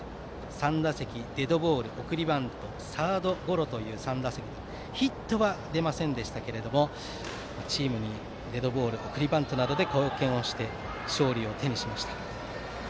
３打席、デッドボール送りバントサードゴロという３打席でヒットは出ませんでしたがデッドボール、送りバントなどでチームに貢献して、勝利を手にしました。